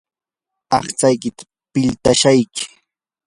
aqtsaykita piltapaashayki.